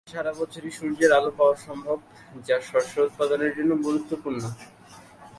এর ফলে ঐ স্থানে সারা বছরই সূর্যের আলো পাওয়া সম্ভব যা শস্য উৎপাদনের জন্য খুবই গুরুত্বপূর্ণ।